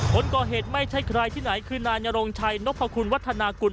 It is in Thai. คนก่อเหตุไม่ใช่ใครที่ไหนคือนายนโรงชัยนพคุณวัฒนากุล